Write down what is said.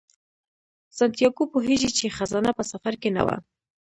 سانتیاګو پوهیږي چې خزانه په سفر کې نه وه.